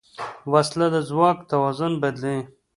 وسله د ځواک توازن بدلوي